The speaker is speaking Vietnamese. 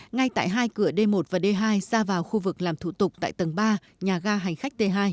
ngay tại hai cửa d một và d hai ra vào khu vực làm thủ tục tại tầng ba nhà ga hành khách t hai